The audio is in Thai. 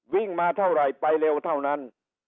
วิ่งมาเท่าไหร่ไปเร็วเท่านั้น